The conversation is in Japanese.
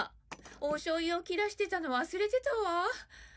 おしょうゆを切らしてたの忘れてたわ。